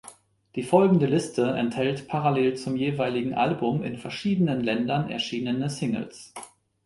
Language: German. Die folgende Liste enthält parallel zum jeweiligen Album in verschiedenen Ländern erschienene Singles.